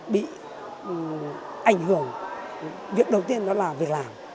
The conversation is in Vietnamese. bị ảnh hưởng việc đầu tiên đó là việc làm